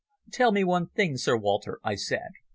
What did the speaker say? "Tell me one thing, Sir Walter," I said.